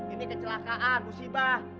ini kecelakaan musibah